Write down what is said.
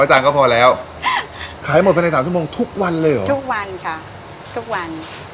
จานก็พอแล้วขายหมดภายในสามชั่วโมงทุกวันเลยเหรอทุกวันค่ะทุกวัน